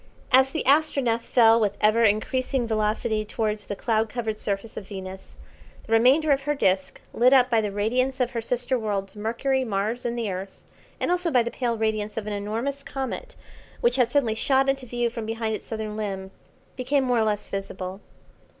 As the Astronef fell with ever increasing velocity towards the cloud covered surface of Venus, the remainder of her disc, lit up by the radiance of her sister worlds, Mercury, Mars, and the Earth, and also by the pale radiance of an enormous comet, which had suddenly shot into view from behind its southern limb, became more or less visible.